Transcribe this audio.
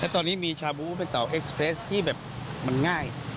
ตอนนี้มีชาบูเป็นเต่าเอ็กซ์เพลสที่แบบมันง่าย